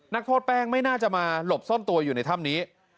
นักโทษแป้งไม่น่าจะมาหลบซ่อนตัวอยู่ในถ้ำนี้